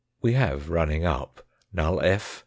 We have running up, null f.